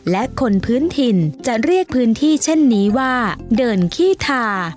และคนพื้นถิ่นจะเรียกพื้นที่เช่นนี้ว่าเดินขี้ทา